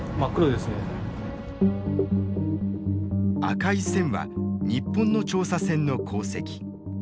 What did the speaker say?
赤い線は日本の調査船の航跡。